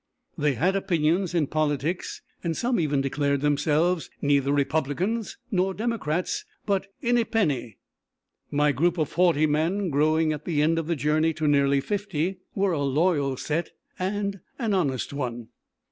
They had opinions in politics and some even declared themselves neither Republicans nor Democrats, but "Inepenny." My group of forty men, growing at the end of the journey to nearly fifty, were a loyal set, and an honest one.